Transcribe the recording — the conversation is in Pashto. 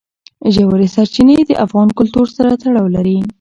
ژورې سرچینې د افغان کلتور سره تړاو لري.